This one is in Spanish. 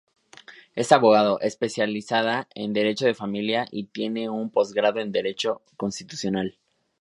Es abogada, especializada en derecho de familia y tiene un posgrado en Derecho Constitucional.